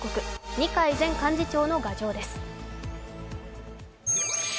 二階前幹事長の牙城です。